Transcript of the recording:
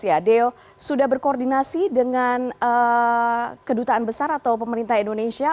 deo sudah berkoordinasi dengan kedutaan besar atau pemerintah indonesia